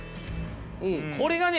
これがね